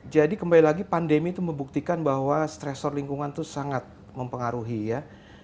jadi kembali lagi pandemi itu membuktikan bahwa stressor lingkungan itu sangat mempengaruhi ya